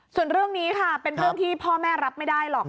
ส่วนเรื่องนี้ค่ะเป็นเรื่องที่พ่อแม่รับไม่ได้หรอก